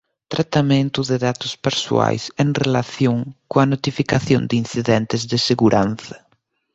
Tratamento de datos persoais en relación coa notificación de incidentes de seguranza.